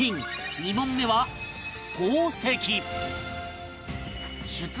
２問目は宝石